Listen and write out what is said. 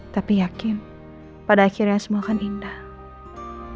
tapi yakin pada akhirnya semua akan indah